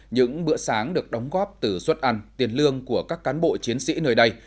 những bữa sáng được đóng góp từ suất ăn tiền lương của các cán bộ chiến sĩ nơi đây